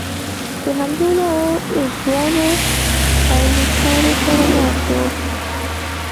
د همزولو او ځوانو پایلوچانو سره ناست و.